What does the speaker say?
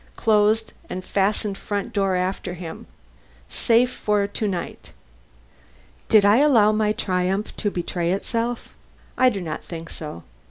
Closed and fastened front door after him. Safe for to night. Did I allow my triumph to betray itself? I do not think so.